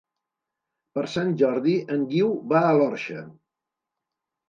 Per Sant Jordi en Guiu va a l'Orxa.